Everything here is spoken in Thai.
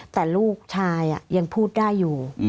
แต่ลูกชายยังพูดได้อยู่